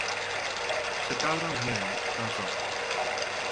Se cadra uns nenos, tan só.